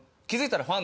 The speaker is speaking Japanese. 気付いたら？